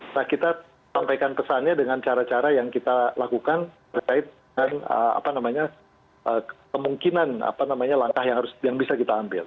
nah kita sampaikan pesannya dengan cara cara yang kita lakukan terkait dengan kemungkinan langkah yang bisa kita ambil